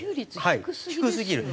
低すぎる。